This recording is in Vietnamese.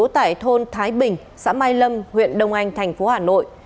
thành phố hà nội